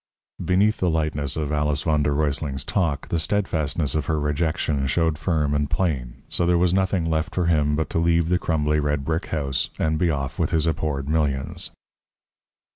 Beneath the lightness of Alice v. d. R.'s talk the steadfastness of her rejection showed firm and plain. So there was nothing left for him but to leave the crumbly red brick house, and be off with his abhorred millions.